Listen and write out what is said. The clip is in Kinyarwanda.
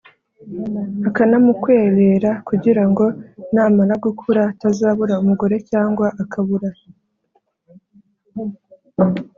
akanamukwerera, kugira ngo namara gukura atazabura umugore cyangwa akabura